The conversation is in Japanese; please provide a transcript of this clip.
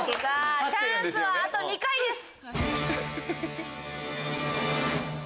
チャンスはあと２回です。